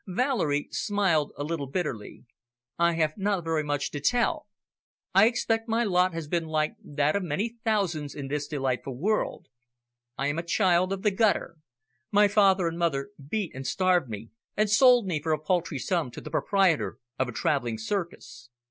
Valerie smiled a little bitterly. "I have not very much to tell. I expect my lot has been like that of many thousands in this delightful world. I am a child of the gutter. My father and mother beat and starved me, and sold me for a paltry sum to the proprietor of a travelling circus.